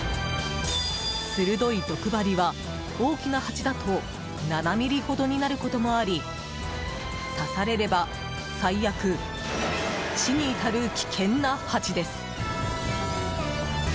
鋭い毒針は、大きなハチだと７ｍｍほどになることもあり刺されれば最悪、死に至る危険なハチです。